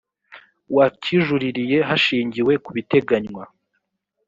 wakijuririye hashingiwe ku biteganywa